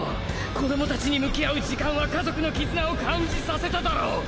子供達に向き合う時間は家族の絆を感じさせただろう！？